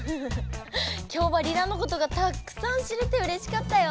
今日はリラのことがたくさん知れてうれしかったよ！